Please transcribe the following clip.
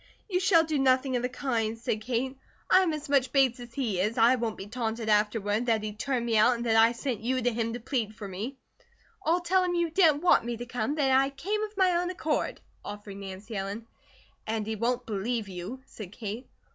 "You shall do nothing of the kind," said Kate. "I am as much Bates as he is. I won't be taunted afterward that he turned me out and that I sent you to him to plead for me." "I'll tell him you didn't want me to come, that I came of my own accord," offered Nancy Ellen. "And he won't believe you," said Kate.